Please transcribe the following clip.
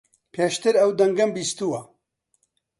پێشتر ئەو دەنگەم بیستووە.